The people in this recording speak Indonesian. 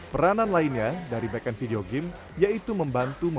peranan lainnya dari backend video game yaitu membantu pemain